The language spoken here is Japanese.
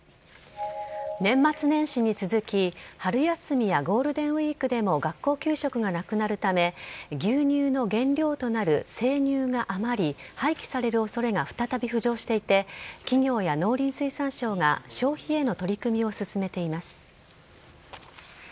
年末年始に続き、春休みやゴールデンウィークでも学校給食がなくなるため、牛乳の原料となる生乳が余り、廃棄されるおそれが再び浮上していて、企業や農林水産省が消費への取り組みを進めています。